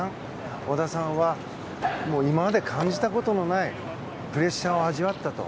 小田さんは、今まで感じたことのないプレッシャーを味わったと。